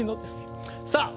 さあ